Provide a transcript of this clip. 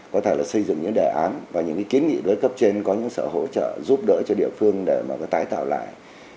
có thể là xây dựng những đề án và những kiến nghị đối với cấp trên có những sự hỗ trợ giúp đỡ cho địa phương để mà tái tạo lại